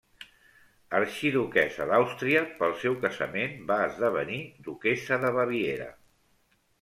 Arxiduquessa d'Àustria, pel seu casament va esdevenir Duquessa de Baviera.